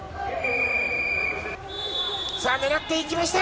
さあ、狙っていきました。